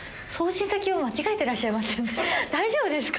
大丈夫ですか？